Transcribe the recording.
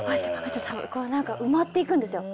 こう何か埋まっていくんですよ。